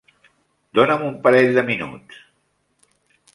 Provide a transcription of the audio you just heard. Dona'm un parell de minuts.